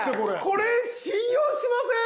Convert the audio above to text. これ信用しません？